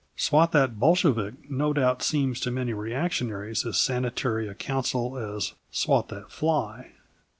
"Swat that Bolshevik," no doubt, seems to many reactionaries as sanitary a counsel as "Swat that fly."